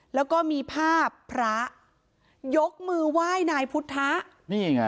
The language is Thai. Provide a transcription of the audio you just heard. แล้วก็มีภาพพระยกมือไหว้นายพุทธะนี่ไง